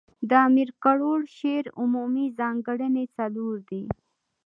د امیر کروړ د شعر عمومي ځانګړني، څلور دي.